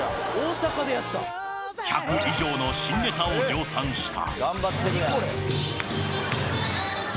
１００以上の新ネタを量産した。